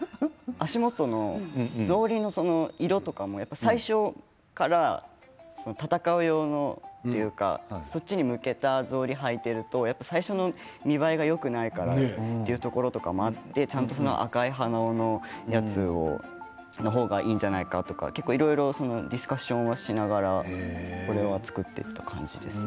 足元の草履の色とかも最初から戦う用のというかそちらに向けた草履を履いていると見栄えがよくないのでというところとかもあって赤い鼻緒のものを履いていたりディスカッションをしながらこれは作っていった感じですね。